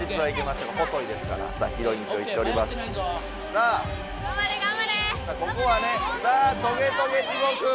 さあここはねさあトゲトゲ地獄！